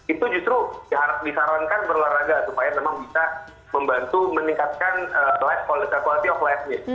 itu justru disarankan berolahraga supaya memang bisa membantu meningkatkan lifequality of life